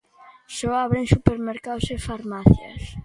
Só abren supermercados e farmacias.